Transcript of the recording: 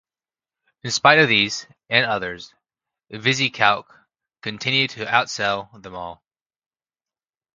In spite of these, and others, VisiCalc continued to outsell them all.